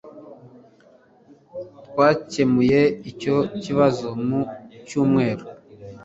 Twakemuye icyo kibazo mu cyumweru